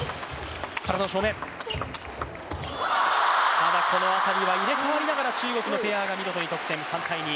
ただこの辺りは入れ代わりながら中国ペアが見事に得点。